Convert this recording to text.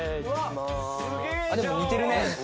「でも似てるね。